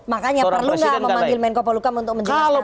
makanya perlu gak memanggil menkopolhukam untuk menjelaskan tadi